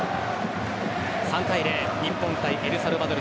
３対０日本対エルサルバドル。